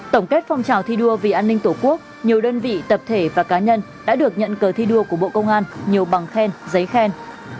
tổng kết phong trào thi đua vì an ninh tổ quốc nhiều đơn vị tập thể và cá nhân đã được nhận cờ thi đua của bộ công an nhiều bằng khen giấy khen